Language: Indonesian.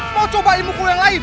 mau coba ilmuku yang lain